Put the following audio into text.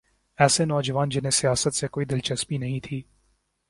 ایسے نوجوان جنہیں سیاست سے کوئی دلچسپی نہیں تھی۔